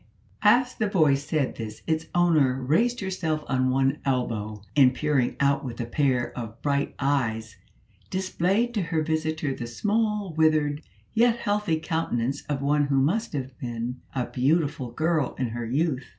As the voice said this its owner raised herself on one elbow, and, peering out with a pair of bright eyes, displayed to her visitor the small, withered, yet healthy countenance of one who must have been a beautiful girl in her youth.